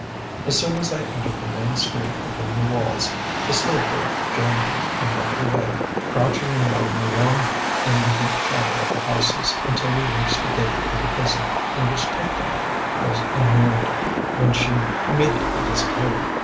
As soon as I entered the main street within the walls, the slave girl joined me, and led the way, crouching and running along in the deep shadow of the houses, until we reached the gate of the prison in which Tuptim was immured, when she immediately disappeared.